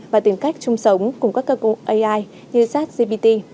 và tìm cách chung sống cùng các cơ công ai như chất gpt